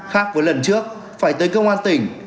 khác với lần trước phải tới công an tỉnh